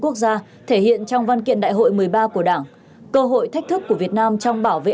quốc gia thể hiện trong văn kiện đại hội một mươi ba của đảng cơ hội thách thức của việt nam trong bảo vệ